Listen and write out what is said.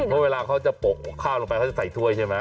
ควรเวลาเพราะเขาจะปกข้าวไปเขาจะใส่ถ้วยใช่ปะ